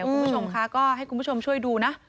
คุณผู้ชมคะก็ให้คุณผู้ชมช่วยดูนะ